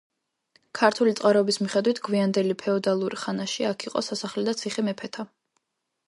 ქართული წყაროების მიხედვით, გვიანდელი ფეოდალურ ხანაში აქ იყო „სასახლე და ციხე მეფეთა“.